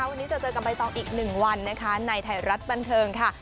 วันนี้จะเจอกับใบตองอีก๑วันนะคะในไทยรัฐบันเทิงค่ะ